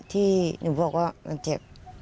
ที่หนูบอกว่ามันเจ็บ